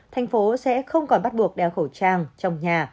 thành phố sẽ không còn bắt buộc đeo khẩu trang trong nhà